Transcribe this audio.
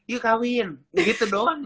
yuk kawin gitu doang